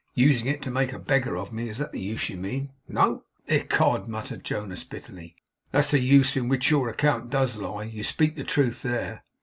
'Using it to make a beggar of me. Is that the use you mean?' 'No.' 'Ecod,' muttered Jonas, bitterly. 'That's the use in which your account DOES lie. You speak the truth there.